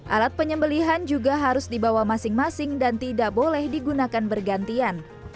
alat penyembelihan juga harus dibawa masing masing dan tidak boleh digunakan bergantian